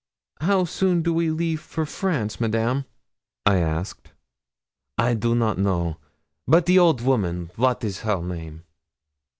'How soon do we leave for France, Madame?' I asked. 'I do not know, but the old women wat is her name?'